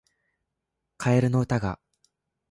カエルの歌が